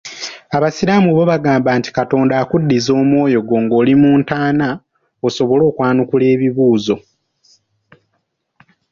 Abasiraamu bo bagamba nti Katonda akuddiza omwoyo gwo nga oli mu ntaana osobole okwanukula ebibuuzo.